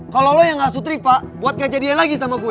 kalau lo yang ngasut riva buat gak jadiin lagi sama gue